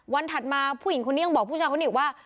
ถัดมาผู้หญิงคนนี้ยังบอกผู้ชายคนนี้อีกว่า